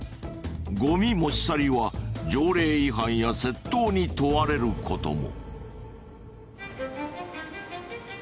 ごみ持ち去りは条例違反や窃盗に問われることも。